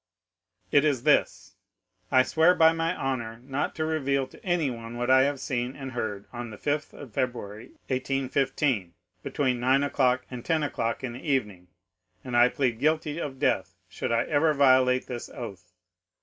"'"It is this:—'I swear by my honor not to reveal to anyone what I have seen and heard on the 5th of February, 1815, between nine and ten o'clock in the evening; and I plead guilty of death should I ever violate this oath.